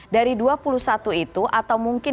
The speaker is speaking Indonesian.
dari dua puluh satu itu atau mungkin